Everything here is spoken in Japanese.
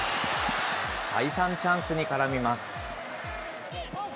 再三チャンスに絡みます。